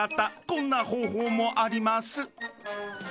こんな方法もあります］